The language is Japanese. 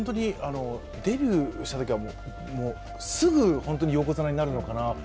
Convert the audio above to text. デビューしたときは、すぐ横綱になるのかなと。